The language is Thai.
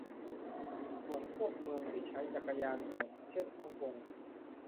ส่วนพวกเมืองที่ใช้จักรยานส่ง เช่นฮ่องกง